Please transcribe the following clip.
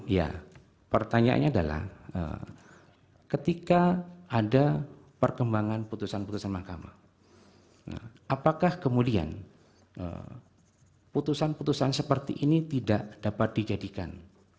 ya pertanyaannya adalah ketika ada perkembangan putusan putusan mahkamah apakah kemudian putusan putusan seperti ini tidak dapat dijadikan